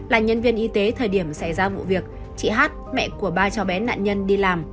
là nhân viên y tế thời điểm xảy ra vụ việc chị hát mẹ của ba cháu bé nạn nhân đi làm